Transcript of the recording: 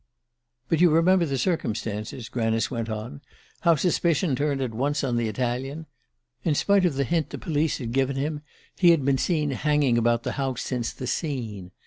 "But you remember the circumstances," Granice went on; "how suspicion turned at once on the Italian? In spite of the hint the police had given him he had been seen hanging about the house since 'the scene.